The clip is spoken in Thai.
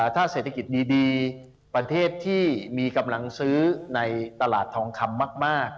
ถ้าเศรษฐกิจดีประเทศที่มีกำลังซื้อในตลาดทองคำมาก